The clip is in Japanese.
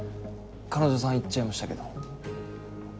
彼女さん行っちゃいましたけど。